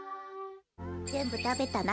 全部食べたな？